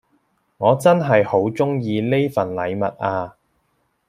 我真係好鍾意呢份禮物呀